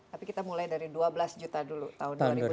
tapi kita mulai dari dua belas juta dulu tahun dua ribu tujuh belas